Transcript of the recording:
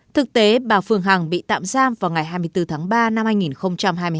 thực tế bà phương hằng bị tạm giam vào ngày hai mươi bốn tháng ba năm hai nghìn hai mươi hai